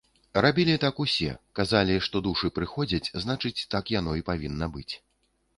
Рабілі так усе, казалі, што душы прыходзяць, значыць, так яно і павінна быць.